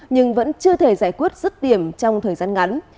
nhưng vẫn chưa thể giải quyết rứt điểm trong thời gian ngắn